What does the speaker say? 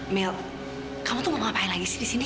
mil kamu tuh mau ngapain lagi di sini